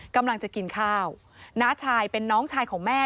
กำลังจะกินข้าวน้าชายเป็นน้องชายของแม่